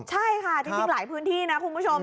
ใช่ค่ะจริงหลายพื้นที่นะคุณผู้ชม